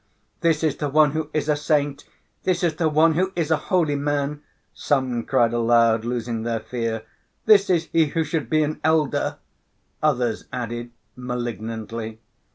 "This is the one who is a saint! This is the one who is a holy man!" some cried aloud, losing their fear. "This is he who should be an elder," others added malignantly.